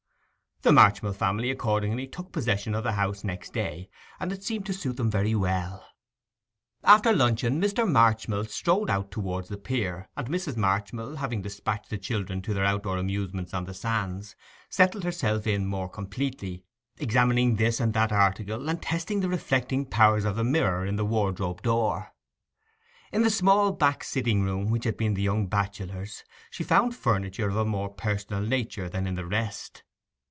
The Marchmill family accordingly took possession of the house next day, and it seemed to suit them very well. After luncheon Mr. Marchmill strolled out towards the pier, and Mrs. Marchmill, having despatched the children to their outdoor amusements on the sands, settled herself in more completely, examining this and that article, and testing the reflecting powers of the mirror in the wardrobe door. In the small back sitting room, which had been the young bachelor's, she found furniture of a more personal nature than in the rest.